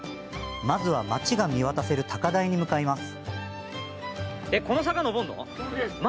まずは、町が見渡せる高台に向かいます。